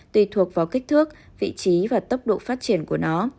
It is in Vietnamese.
tùy thuộc vào kích thước vị trí và tốc độ phát triển của nó